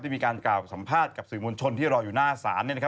ที่มีการกล่าวสัมภาษณ์กับสื่อมวลชนที่รออยู่หน้าสารเนี่ยนะครับ